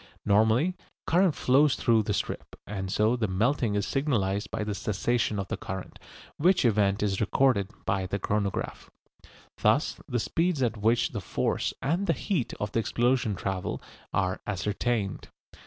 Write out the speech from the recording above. Normally, current flows through the strip, and so the melting is signalised by the cessation of the current, which event is recorded by the chronograph. Thus the speeds at which the force and the heat of the explosion travel are ascertained.